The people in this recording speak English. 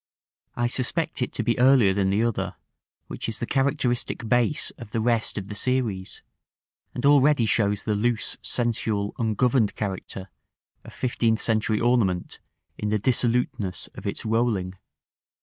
I suspect it to be earlier than the other, which is the characteristic base of the rest of the series, and already shows the loose, sensual, ungoverned character of fifteenth century ornament in the dissoluteness of its rolling.